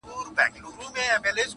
دنیا فاني ده بیا به وکړی ارمانونه؛